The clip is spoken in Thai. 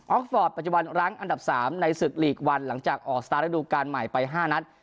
ฟอร์ตปัจจุบันรั้งอันดับ๓ในศึกหลีกวันหลังจากออกสตาร์ทระดูการใหม่ไป๕นัด